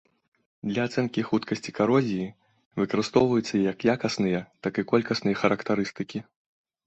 Для ацэнкі хуткасці карозіі выкарыстоўваюцца як якасныя, так і колькасныя характарыстыкі.